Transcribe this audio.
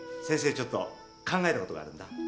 ちょっと考えたことがあるんだ。